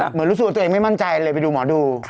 เหมือนรู้สึกว่าตัวเองไม่มั่นใจเลยไปดูหมอดู